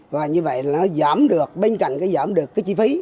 và như vậy nó giảm được bên cạnh giảm được chi phí